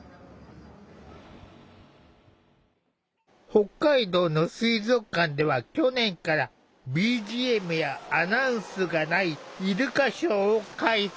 北海道の水族館では去年からＢＧＭやアナウンスがないイルカショーを開催。